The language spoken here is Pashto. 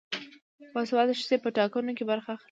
باسواده ښځې په ټاکنو کې برخه اخلي.